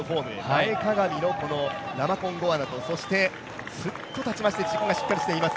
前かがみのこのラマコンゴアナとそしてすっと立ちまして、軸がしっかりしています